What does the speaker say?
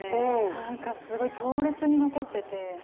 何かすごい強烈に残ってて。